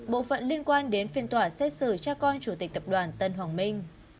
bộ phận liên quan đến phiên tòa xét xử cha con chủ tịch tập đoàn tân hoàng minh